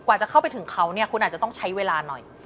กว่าจะเข้าไปถึงเขาคุณอาจจะต้องใช้เวลาหน่อย